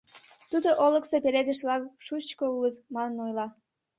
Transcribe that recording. Тудо олыкысо пеледыш-влак шучко улыт, манын ойла.